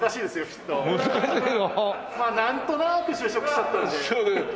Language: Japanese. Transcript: まあなんとなく就職しちゃったんで。